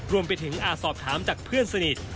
รวมไปถึงอาจสอบถามจากเพื่อนสนิท